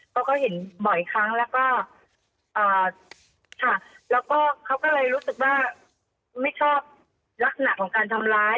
เขาก็เห็นบ่อยครั้งแล้วก็ค่ะแล้วก็เขาก็เลยรู้สึกว่าไม่ชอบลักษณะของการทำร้าย